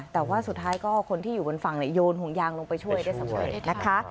แต่ว่าสุดท้ายก็คนที่อยู่บนฝั่งโยนห่วงยางลงไปช่วยได้สำเร็จนะคะ